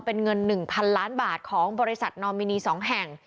เป็นเงิน๑๐๐๐ล้านบาทของบริษัทนอมินี๒แห่ง